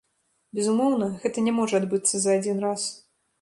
Безумоўна, гэта не можа адбыцца за адзін раз.